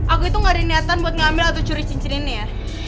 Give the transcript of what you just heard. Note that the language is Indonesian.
aku itu gak ada niatan buat ngambil atau curi cincin ini ya